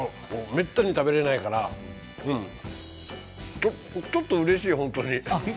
めったに食べられないからちょっとうれしい本当に。